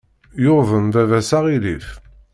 Yuḍen baba-s aɣilif.